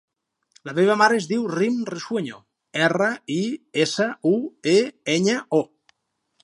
La meva mare es diu Rym Risueño: erra, i, essa, u, e, enya, o.